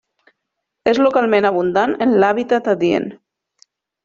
És localment abundant en l'hàbitat adient.